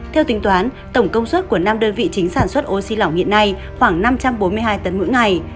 theo tính toán tổng công suất của năm đơn vị chính sản xuất oxy lỏng hiện nay khoảng năm trăm bốn mươi hai tấn mỗi ngày